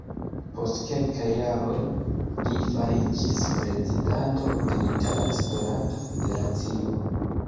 Post kelkaj jaroj, li fariĝis prezidanto de Itala Esperanto-Federacio.